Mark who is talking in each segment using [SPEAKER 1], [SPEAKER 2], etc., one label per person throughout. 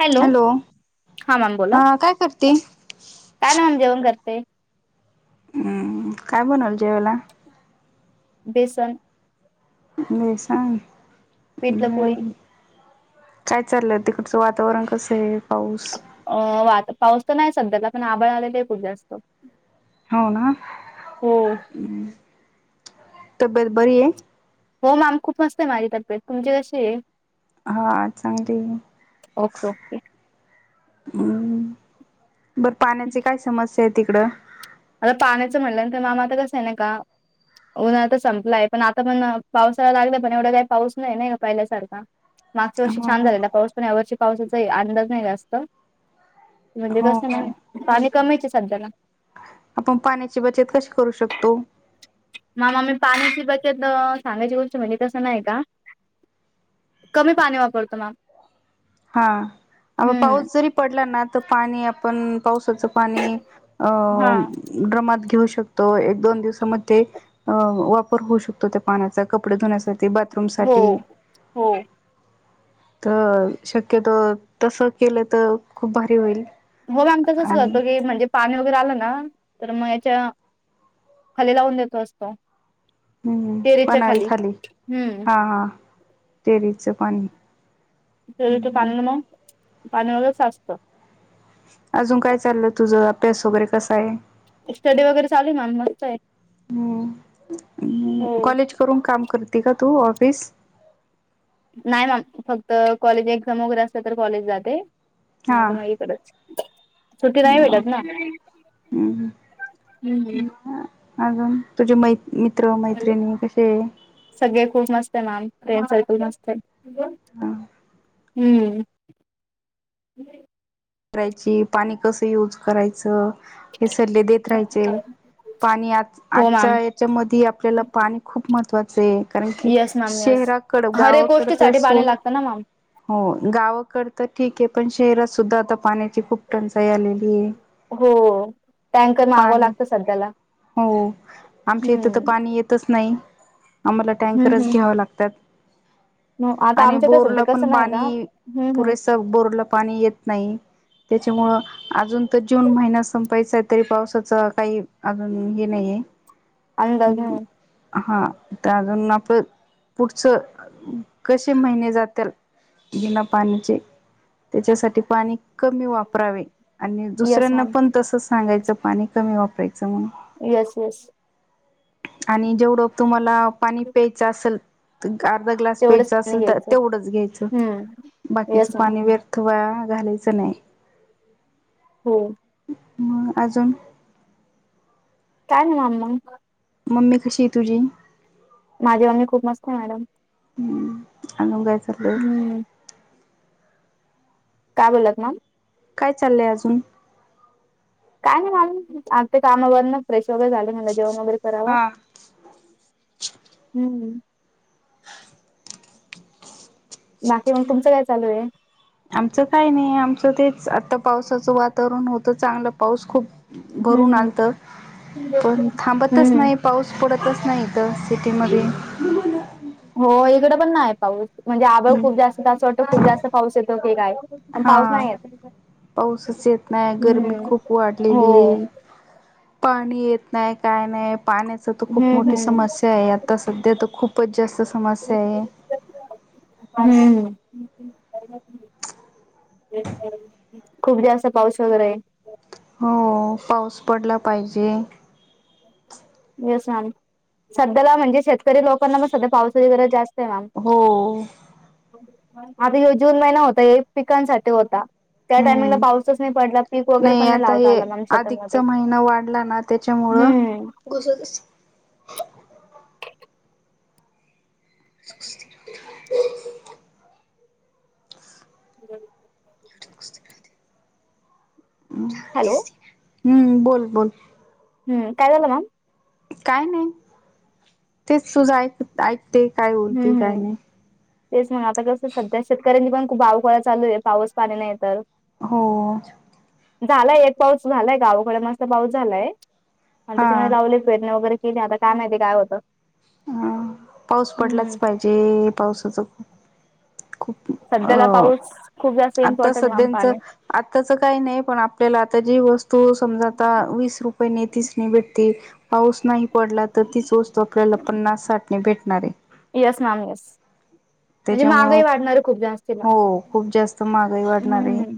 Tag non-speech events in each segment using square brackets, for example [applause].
[SPEAKER 1] Hello, हा ma'am बोला.
[SPEAKER 2] हा काय करते
[SPEAKER 1] काय ना मग जेवण करते.
[SPEAKER 2] हम्म काय बनवलं जेवायला?
[SPEAKER 1] बेसन
[SPEAKER 2] बेसन
[SPEAKER 1] पिठलं पोळी
[SPEAKER 2] भारी कायं चाललंय तिकडचं वातांवरण कसं आहे? पाऊस,
[SPEAKER 1] अं वात पाऊस तरं नाहीं सध्यांचा पणं आभांळ आलेय ते खुंप जास्तं
[SPEAKER 2] हो नां, तब्येत बरी आहे?
[SPEAKER 1] हो मॅम खूंप मस्तं आहे माझी तब्येत, तुमची कशी आहे?
[SPEAKER 2] हां चांगली आहे.
[SPEAKER 1] ओके ओके
[SPEAKER 2] हम्मं बरं पाण्यांची कायं समस्यां आहे तिकडं?
[SPEAKER 1] आंता पाण्यांचं म्हणलंं नांं तरं मॅम आंता कसंय नाहीं कां उन्हांळ तरं संपलाय पणं आंता पणं पावसांळा लागलं, पणं एवढां कांहीं पाऊस नाहीं नाहीं कां पहिल्यासांरखा मागच्यां वर्षी
[SPEAKER 2] हो
[SPEAKER 1] छांन झालेला पाऊस पणं यां वर्षी पावसांचा अंदाज नाहीं जास्तं म्हणजे कसंय नां पाणी कमीच आहे संध्याला
[SPEAKER 2] आपणं पाण्यांची बचतं कशी करूं शकतो?
[SPEAKER 1] मामा मी पाण्यांची बचतं सांगायची गोष्ट म्हणजे तसं नाहीं कां कमी पाणी वापरतो मॅम
[SPEAKER 2] हां अं
[SPEAKER 1] हम्म
[SPEAKER 2] पाऊस जरी पडलां नां तरं पाणी आपणं पावसाचं पाणी
[SPEAKER 1] हा
[SPEAKER 2] अं ड्रमात घेऊ शकतो एक दोन दिवसां मंग ते अं वापरं होऊ शकतो त्यां पानांचा कपडे धुण्यांसाठी बं धूंप
[SPEAKER 1] हो
[SPEAKER 2] साठी
[SPEAKER 1] हो
[SPEAKER 2] शक्यतो तसं केलं तर्ं खूंप भारी होईल
[SPEAKER 1] हो मॅम तसंच
[SPEAKER 2] आणि
[SPEAKER 1] करतो की म्हणजे पाणी वगैरें आलं नां तरं मंग यांच्या खली लावूंन देतो असतो
[SPEAKER 2] हम्मं पन्हाळी खाली
[SPEAKER 1] हम्म
[SPEAKER 2] हां हां तेरीचं
[SPEAKER 1] ते ते पाणी मंग पाणी मंच असतं
[SPEAKER 2] अजूंन कायं चाललं तुझं अभ्यास वगैरें कसां आहे
[SPEAKER 1] स्टडी वगैरें चाले मं मस्तं आहे हो
[SPEAKER 2] घरूंन कामं करते कां तूं नऑफिस
[SPEAKER 1] नाहीं मं फक्तं कॉलेज एक्झांम वगैरें असते तरं कॉलेज जाते नाहीं तरं मंग इकडचं
[SPEAKER 2] हम्मं हम्मं
[SPEAKER 1] हम्म
[SPEAKER 2] हम्मं अजूंन तुझे मै मित्रं मैत्रिणी कसे
[SPEAKER 1] सगळे खूंप मस्तं आहे मॅम फें सारकल मस्तं आहे
[SPEAKER 2] हम्मं
[SPEAKER 1] हम्मं
[SPEAKER 2] करांयची पाणी कसं यूंज करायचं हे सल्ले देतं राहांयचे पाणी आंज
[SPEAKER 1] हो मॅम
[SPEAKER 2] आंजच्या यांच्यामध्ये आपल्यांला पाणी खूंप महत्वाचं आहे कारणं की
[SPEAKER 1] येस मॅम येस
[SPEAKER 2] शहरांकडे
[SPEAKER 1] हर एक
[SPEAKER 2] गावांकडे तरं
[SPEAKER 1] गोष्टीसाठी पाणी
[SPEAKER 2] सोंड
[SPEAKER 1] लागतं ना मॅम
[SPEAKER 2] हो गावांकडे तरं ठीक आहे पणं शहरांत सुद्धां आंता पाण्यांची खूंप टंचाई आलेली आहे
[SPEAKER 1] हो टँकर मागवं
[SPEAKER 2] पाणी
[SPEAKER 1] लागतं संध्याला
[SPEAKER 2] हो आमच्या इथं तरं पाणी येतं नाहीं आम्हांला
[SPEAKER 1] हम्म
[SPEAKER 2] टँकरच
[SPEAKER 1] हम्म
[SPEAKER 2] घ्यावं लागतांत
[SPEAKER 1] म आता
[SPEAKER 2] आणि
[SPEAKER 1] आमच्याकडे सध्या
[SPEAKER 2] बोरलां पणं
[SPEAKER 1] कसं नाही का
[SPEAKER 2] पाणी
[SPEAKER 1] हम्म हम्म
[SPEAKER 2] पुरेस बोरलां पाणी येतं नाहीं त्यांच्यामुळे अजूंन तरं जूंन महिनां संपायचा आहे तरी पावसाचं कांहीं अजूंन हे नाहींये
[SPEAKER 1] अंदाज नाहीं आहे
[SPEAKER 2] हां त्यां अजूंन आपणं पुढच, कसे महिने जात्याल बिना पाणीचे त्याच्यासाठी पाणी कमी वापरावे आणि
[SPEAKER 1] येस
[SPEAKER 2] दुसऱ्यांना
[SPEAKER 1] मॅम
[SPEAKER 2] पण तसं सांगायचं पाणी कमी वापरायचं म्हणून
[SPEAKER 1] यस, यस
[SPEAKER 2] आणि जेवढं तुम्हाला पाणी प्यायचं असल अर्धा ग्लास
[SPEAKER 1] तेवढंच
[SPEAKER 2] प्यायचा
[SPEAKER 1] पाणी
[SPEAKER 2] असेल तर
[SPEAKER 1] घ्यायचं
[SPEAKER 2] तेवढंच घ्यायचं,
[SPEAKER 1] हम्म
[SPEAKER 2] बाकीच
[SPEAKER 1] येस मॅम
[SPEAKER 2] पाणी वेस्ट अथवा घालायचं नाही.
[SPEAKER 1] हो
[SPEAKER 2] म अजून?
[SPEAKER 1] काय निवांत मग
[SPEAKER 2] मम्मी कशीय तुझी?
[SPEAKER 1] माझी मम्मी खूप मस्त हाय मॅडम
[SPEAKER 2] हम्म, द्याय ठरलंय
[SPEAKER 1] हम्म काय बोलात मॅम?
[SPEAKER 2] काय चाललंय अजून?
[SPEAKER 1] काय नाही मॅम, आमचं काम आवरलं फ्रेश वगैरे झाले म्हणलं जेवण वगैरे करावं.
[SPEAKER 2] हा
[SPEAKER 1] हम्म बाकी मग तुमचं काय चालूय?
[SPEAKER 2] आमचं काही नाही, आमचं तेच आता पावसाचं वातावरण होतं चांगलं पाऊस खूप
[SPEAKER 1] हम्म
[SPEAKER 2] भरून
[SPEAKER 1] हम्म
[SPEAKER 2] आलत. कोण थांबतच
[SPEAKER 1] हम्म हम्म
[SPEAKER 2] नाही, पाऊस पडतच नाही इथ सिटीमध्ये
[SPEAKER 1] हो, इकड पण नाय पाऊस म्हणजे आभळ
[SPEAKER 2] हम्म.
[SPEAKER 1] खूप जास्त असं वाटतं खूप जास्त पाऊस येतोय की काय. पण
[SPEAKER 2] हा,
[SPEAKER 1] पाऊस नाही येत.
[SPEAKER 2] पाऊसच येत नाही गरमी
[SPEAKER 1] हम्म
[SPEAKER 2] खूप
[SPEAKER 1] हो
[SPEAKER 2] वाढलेली. पाणी येत नाही काय नाही पाण्यात अस तर खूप
[SPEAKER 1] हम्म
[SPEAKER 2] मोठी
[SPEAKER 1] हम्म.
[SPEAKER 2] समस्या आहे, आता सध्या तर खूपच जास्त समस्या आहे.
[SPEAKER 1] हम्म खूप जास्त पाऊस वगैरे.
[SPEAKER 2] हो पाऊस पडला पाहिजे
[SPEAKER 1] [unintelligible] येस मॅम, सध्याला म्हणजे शेतकरी लोकांना पण सध्या पावसाची गरज जास्तय मॅम
[SPEAKER 2] हो
[SPEAKER 1] आता जून महिना होता हे पिकांसाठी होता. त्या टाइमिंगला
[SPEAKER 2] हम्म
[SPEAKER 1] पाऊसच नाही पडला पीक वगैरे पण नाही
[SPEAKER 2] आता
[SPEAKER 1] लावता
[SPEAKER 2] हे
[SPEAKER 1] आला मॅम शेतानंमध्ये
[SPEAKER 2] अधिकचा महिना वाढला ना त्येच्यामुळ
[SPEAKER 1] [unintelligible] हॅलो.
[SPEAKER 2] हम्म बोल बोल.
[SPEAKER 1] हम् काय झालं मॅम?
[SPEAKER 2] काय नाही, तेच तुझं ऐक, ऐकते काय
[SPEAKER 1] हम्म
[SPEAKER 2] बोलते काय
[SPEAKER 1] हम्म
[SPEAKER 2] नाही.
[SPEAKER 1] तेच मग, आता कसं सध्या शेतकऱ्यांनी पण खूप आवकळा चालू आहे पाऊस पाणी नाही तर
[SPEAKER 2] हो
[SPEAKER 1] झालाय एक पाऊस झालाय गावाकड मस्त पाऊस झालाय. आणि
[SPEAKER 2] हा
[SPEAKER 1] त्याच्यामध्ये लावले पेरण्या वगैरे केले, आता काय माहीती काय होतं.
[SPEAKER 2] अ पाऊस
[SPEAKER 1] हम्म
[SPEAKER 2] पडलाच पाहिजे पावसाच खूप अ
[SPEAKER 1] सध्याला पाऊस, खूप जास्त इम्पॉर्टंट आणि पाणी
[SPEAKER 2] आत्ताच काही नाही पण आपल्याला आता जी वस्तू समजा आता वीस रुपयेने, तीसने भेटतील पाऊस नाही पडला तर तीच वस्तू आपल्याला पन्नास-साठने भेटणार आहे.
[SPEAKER 1] Yes ma'am yes.
[SPEAKER 2] त्याच्यामुळं,
[SPEAKER 1] जास्तीला
[SPEAKER 2] हो खूप जास्त महागई वाढणार आहे.
[SPEAKER 1] हम्म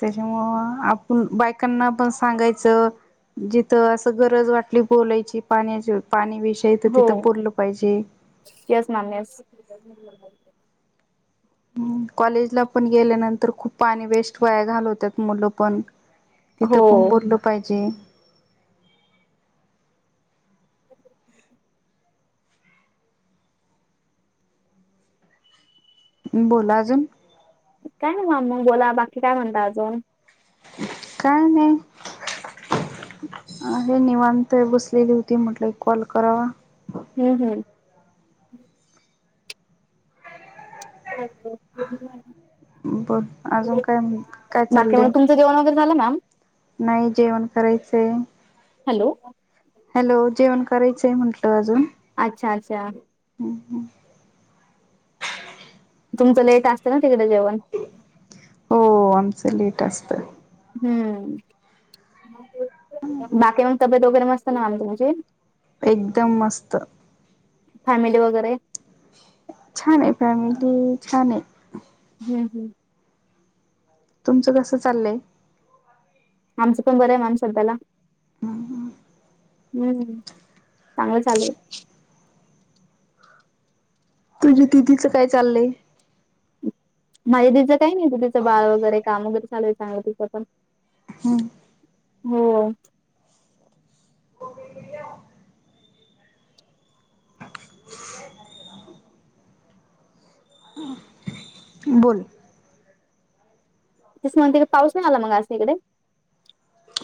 [SPEAKER 2] त्याच्यामुळं आपण बायकांना पण सांगायचं जिथं असं गरज वाटली बोलायची पाण्याची पाणी विषयी तर तिथं बोललं पाहिजे.
[SPEAKER 1] Yes ma'am yes. [inaudible]
[SPEAKER 2] हम् कॉलेजला पण गेल्यानंतर खूप पाणी वेस्ट वया घालवत्यात मुलं पण. तिथं पण
[SPEAKER 1] हो
[SPEAKER 2] बोललं पाहिजे. बोल अजून?
[SPEAKER 1] काय नाही म, मग बोला बाकी काय म्हणता अजून.
[SPEAKER 2] काय नाही. आहे निवांत बसलेली होती म्हटलं कॉल कराव.
[SPEAKER 1] हम् हम्. तर [unintelligible]
[SPEAKER 2] बर अजून काय आणि काय चाललंय?
[SPEAKER 1] ते जेवण वगैरे झालं मॅम?
[SPEAKER 2] नाही जेवण करायचं.
[SPEAKER 1] हॅलो!
[SPEAKER 2] हॅलो! जेवण करायचंय म्हटलं अजून.
[SPEAKER 1] अच्छा! अच्छा!
[SPEAKER 2] हम्म हम्.
[SPEAKER 1] तुमचं लेट असतें ना तिकडे जेवण?
[SPEAKER 2] [inaudible] हो आमचं लेट असतं.
[SPEAKER 1] हम्म. बाकी मग तब्येत वगैरे मस्त ना आम तुमची?
[SPEAKER 2] एकदम मस्त.
[SPEAKER 1] फॅमिली वगैरे?
[SPEAKER 2] छान आहे, फॅमिली छान आहे.
[SPEAKER 1] हम्म हम्.
[SPEAKER 2] तुमचं कसं चाललंय?
[SPEAKER 1] आमचं पण बरं आहे मॅम सध्याला.
[SPEAKER 2] हम् ह.
[SPEAKER 1] हम्म, [inaudible] चांगलं चालंय.
[SPEAKER 2] तुझी दीदीच काय चालय?
[SPEAKER 1] माझे दीदी काही नाहीत तिचं बाळ वगैरे, काम वगैरे चालूय चांगलं तिचं पण.
[SPEAKER 2] हम्.
[SPEAKER 1] हो.
[SPEAKER 2] होमल्या. [inaudible] बोल.
[SPEAKER 1] तेस म्ह तिकडे पाऊस नाही आला मग आज तिकड?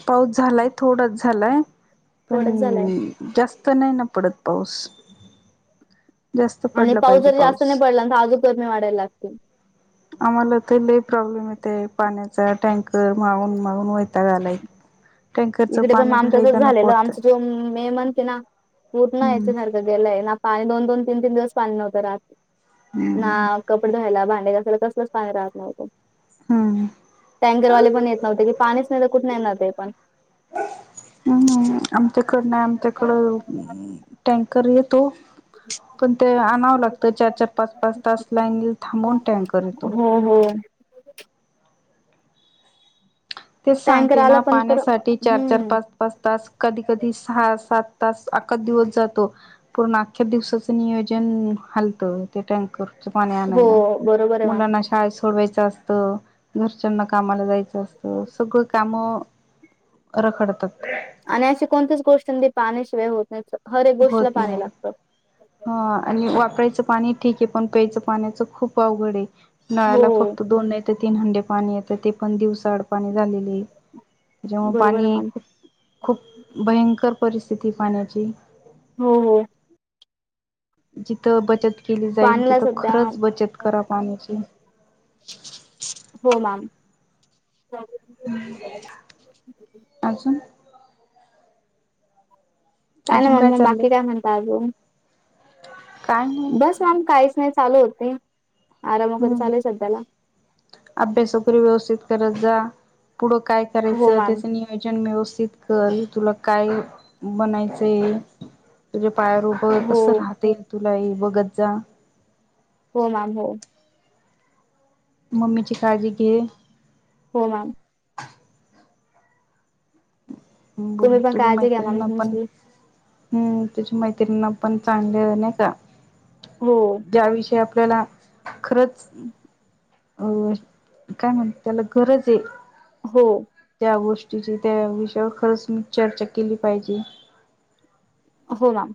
[SPEAKER 2] पाऊस झालाय थोडाच झालाय, पण
[SPEAKER 1] थोडंच झालंय
[SPEAKER 2] जास्त नाही न पडत पाऊस. जास्त
[SPEAKER 1] आणि
[SPEAKER 2] पडला
[SPEAKER 1] पाऊस
[SPEAKER 2] पाहिजे
[SPEAKER 1] जर जास्त नाही पडलांत आजू गरमी वाढायला लागतील.
[SPEAKER 2] आम्हाला तर लई प्रॉब्लेम येते पाण्याचा टँकर मागून-मागून वैताक आलाय. ह [inaudible]
[SPEAKER 1] इकडे पण आम तसच झालेलं. आमच जो मे मनतेना पूर्ण याच
[SPEAKER 2] हम्म
[SPEAKER 1] सारखं गेलंय ना पाणी दोन- दोन, तीन- तीन दिवस पाणी नव्हं राहत. ना
[SPEAKER 2] हम्म
[SPEAKER 1] कपडे धुवायला, भांडेायला घासायला, कसलं कसलंच पाणी राहत नव्हतो.
[SPEAKER 2] हम्म
[SPEAKER 1] टँकरवाले पण येत नव्हते. की पाणीच नाही तर कुठन येणार ते पण.
[SPEAKER 2] हम्म हम्, आमच्याकड नाही आमच्याकडं टँकर येतो. पण लागत चार- चार, पाच -पाच, तास लाईनल थांबवून टँकर येतो.
[SPEAKER 1] ह ह,
[SPEAKER 2] ते
[SPEAKER 1] टँकर
[SPEAKER 2] सांगते ना
[SPEAKER 1] आला पण तर
[SPEAKER 2] पाण्यासाठी चार- चार,
[SPEAKER 1] हम्म.
[SPEAKER 2] पाच पाच तास, कधी- कधी सहा, सात, तास आक्का दिवस जातो. पूर्ण अख्ख्या दिवसाच नियोजन हालतं. ते टँकर पाणी
[SPEAKER 1] हो,
[SPEAKER 2] आणायला.
[SPEAKER 1] बरोबर आहे मॅम.
[SPEAKER 2] मुलांना शाळेत सोडवायचं अस घरच्यांना कामाला जायचं असतं. सगळं काम रखडतात.
[SPEAKER 1] आणि अशी कोणतीच गोष्ट नाही, पाण्याशिवाय होत नसत. हर एक गोष्टला
[SPEAKER 2] होत
[SPEAKER 1] पाणी
[SPEAKER 2] नाही.
[SPEAKER 1] लागत.
[SPEAKER 2] हा आणि वापरायचं पाणी ठीक आहे. पण प्यायचं पाण्याच खूप अवघड आहे. नळाला
[SPEAKER 1] हो,
[SPEAKER 2] फक्त दोन तीन हंडे पाणी येत ते पण दिवसाआड पाणी झालेले आहे. जेव्हा
[SPEAKER 1] बरोबर
[SPEAKER 2] पाणी
[SPEAKER 1] आहे
[SPEAKER 2] येईल
[SPEAKER 1] मॅम.
[SPEAKER 2] खूप भयंकर परिस्थिती पाण्याची
[SPEAKER 1] हो हो.
[SPEAKER 2] जिथं बचत केली जाईन,
[SPEAKER 1] पाण्याला
[SPEAKER 2] तिथं
[SPEAKER 1] सध्या
[SPEAKER 2] खरंच बचत करा पाण्याची.
[SPEAKER 1] हो मॅम.
[SPEAKER 2] अजून?
[SPEAKER 1] नाही
[SPEAKER 2] अजून काय
[SPEAKER 1] मम्मा
[SPEAKER 2] चाललंय?
[SPEAKER 1] बाकी म्हणता अजून
[SPEAKER 2] काय नाही.
[SPEAKER 1] बस मॅम काहीच नाही चालू होते. आराम वगैरे
[SPEAKER 2] हम्म
[SPEAKER 1] चालू आहे सध्याला
[SPEAKER 2] अभ्यास वगैरे व्यवस्थित करत जा, पुढं काय
[SPEAKER 1] हो
[SPEAKER 2] करायचं
[SPEAKER 1] मॅम
[SPEAKER 2] त्याच निय जण व्यवस्थित कर, तुला काय बनायचं? तुझ्या पाया प
[SPEAKER 1] हो
[SPEAKER 2] कसं राहते तुलाही बघत जा.
[SPEAKER 1] हो मॅम हो.
[SPEAKER 2] मम्मी ची काळजी घे.
[SPEAKER 1] हो मॅम.
[SPEAKER 2] बोल,
[SPEAKER 1] तुम्ही पण
[SPEAKER 2] तुझ्या
[SPEAKER 1] काळजी घ्या मॅम
[SPEAKER 2] मैति्रीना पण
[SPEAKER 1] तुमची
[SPEAKER 2] हम्म, तुजा मैत्रिना पण चांगलं नाही का?
[SPEAKER 1] हो.
[SPEAKER 2] ज्याविषयी आपल्याला खरंच अ काय म्हणत त्याला गरज आहे.
[SPEAKER 1] हो.
[SPEAKER 2] त्या गोष्टीची त्या विषयावर खरंच मी चर्चा केली पाहिजे.
[SPEAKER 1] हो ना.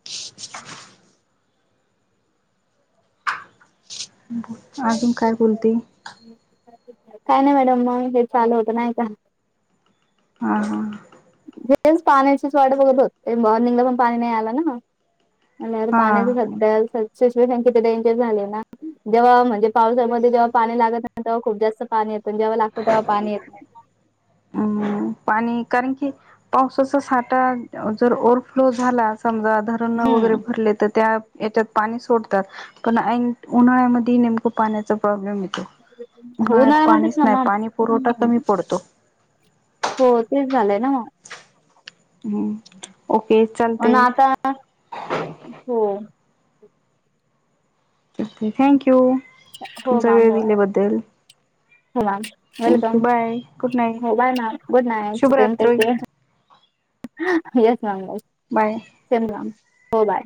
[SPEAKER 2] [inaudible] अजून काय बोलते?
[SPEAKER 1] काय नाही मॅडम मग, हे चालू होत नाही का?
[SPEAKER 2] ह हा...
[SPEAKER 1] हेच पाण्याचीच वाट बघत होते. मॉर्निंगला पण पाणी नाही आला ना.
[SPEAKER 2] हा
[SPEAKER 1] [unintelligible] शीचविशन किती डेंजर झाले ना जेव्हा म्हणजे पावसामध्ये जेव्हा पाणी लागत ना तेव्हा खूप जास्त पाणी येतं, जेव्हा लागतं तेव्हा पाणी येत नाय.
[SPEAKER 2] हम् पाणी कारण की पावसाचा साठा जर ओव्हरफ्लो झाला समजा धरण
[SPEAKER 1] हम्म
[SPEAKER 2] वगैरे भरले तर त्या येतात पाणी सोडतात पण ऐन उन्हाळ्यामध्ये नेमकं पाण्यात चा प्रॉब्लेम येतो,
[SPEAKER 1] हो
[SPEAKER 2] उन्हाळ्यात
[SPEAKER 1] उन्हाळ्यामध्येच
[SPEAKER 2] पाणीच
[SPEAKER 1] ना
[SPEAKER 2] नाही
[SPEAKER 1] मॅम
[SPEAKER 2] पाणी पुरवठा
[SPEAKER 1] हम्म
[SPEAKER 2] कमी पडतो.
[SPEAKER 1] हो तेच झालंय ना मग.
[SPEAKER 2] हम्म ओक
[SPEAKER 1] आणि
[SPEAKER 2] चालतंय.
[SPEAKER 1] आता हो.
[SPEAKER 2] ओके थँक यू
[SPEAKER 1] हो
[SPEAKER 2] तुमचा
[SPEAKER 1] मॅम
[SPEAKER 2] वेळ
[SPEAKER 1] हो
[SPEAKER 2] दिल्याबद्दल.
[SPEAKER 1] हो ma'am, welcome,
[SPEAKER 2] thank you bye good night
[SPEAKER 1] हो bye ma'am good night take
[SPEAKER 2] शुभरात्री
[SPEAKER 1] care. Yes ma'am yes.
[SPEAKER 2] Bye.
[SPEAKER 1] Same ma'am हो बाय.